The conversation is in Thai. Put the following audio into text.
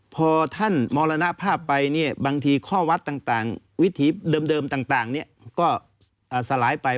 พอท่านมรณภาพไปเนี่ยบางทีข้อวัดต่างวิถีเดิมต่างก็สลายไป